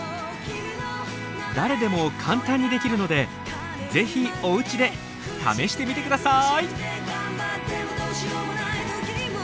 誰でも簡単にできるので是非お家で試してみて下さい。